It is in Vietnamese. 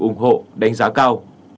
ủng hộ đánh giá cao